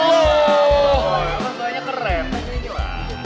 bagaimana soalnya kerempet ini